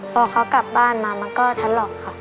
พอเขากลับบ้านมามันก็ทะลอกค่ะ